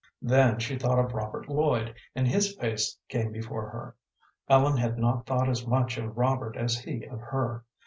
Then she thought of Robert Lloyd, and his face came before her. Ellen had not thought as much of Robert as he of her.